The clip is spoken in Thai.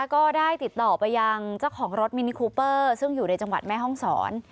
ก็ได้ติดต่อไปยังเจ้าของรถมินิคูเปอร์ซึ่งอยู่ในจังหวัดแม่ห้องศร